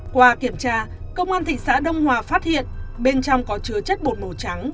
qua kiểm tra công an thị xã đông hòa phát hiện bên trong có chứa chất bột màu trắng